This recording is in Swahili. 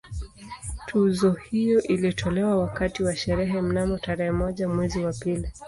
Tuzo hiyo ilitolewa wakati wa sherehe mnamo tarehe moja mwezi wa pili